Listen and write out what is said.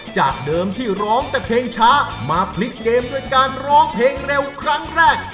จากเดิมที่ร้องแต่เพลงช้ามาพลิกเกมด้วยการร้องเพลงเร็วครั้งแรก